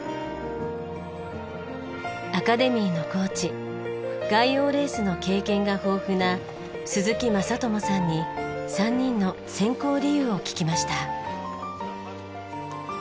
アカデミーのコーチ外洋レースの経験が豊富な鈴木晶友さんに３人の選考理由を聞きました。